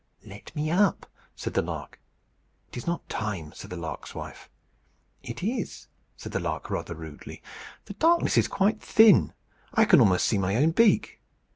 "Let me up," said the lark. "It is not time," said the lark's wife. "It is," said the lark, rather rudely. "The darkness is quite thin. I can almost see my own beak."